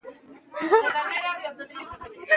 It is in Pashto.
کتاب د دوستۍ او رښتینولۍ یو بې مثاله سمبول دی.